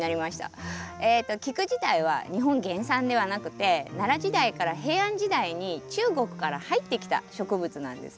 えとキク自体は日本原産ではなくて奈良時代から平安時代に中国から入ってきた植物なんですね。